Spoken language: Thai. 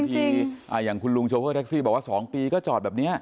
อย่างคุณลุงโชเฟอร์แท็กซี่บอกว่า๒ปีก็จอดแบบนี้